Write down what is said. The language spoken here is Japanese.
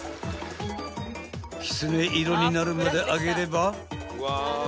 ［きつね色になるまで揚げれば］